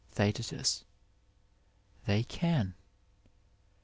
TheasL They can.